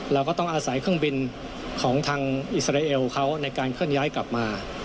เราก็ต้องอาศัยเครื่องบินของทางอิสราเอลเขาในการเคลื่อนย้ายกลับมา